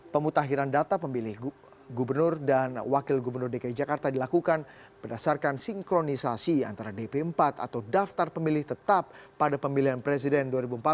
pemutahiran data pemilih gubernur dan wakil gubernur dki jakarta dilakukan berdasarkan sinkronisasi antara dp empat atau daftar pemilih tetap pada pemilihan presiden dua ribu empat belas